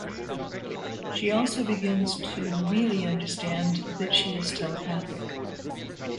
She also begins to really understand that she is telepathic.